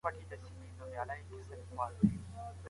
حکومت د بهرنیو وګړو پر وړاندي تبعیض نه کوي.